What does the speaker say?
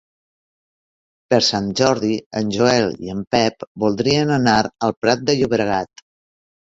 Per Sant Jordi en Joel i en Pep voldrien anar al Prat de Llobregat.